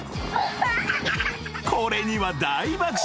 ［これには大爆笑］